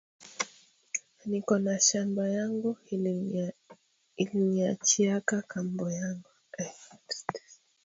Niko na shamba yangu iliniachiaka kambo yangu